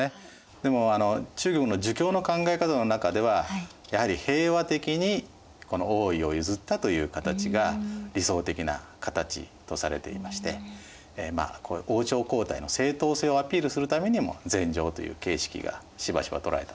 でも中国の儒教の考え方の中ではやはり平和的に王位を譲ったという形が理想的な形とされていまして王朝交替の正当性をアピールするためにも禅譲という形式がしばしばとられたわけですね。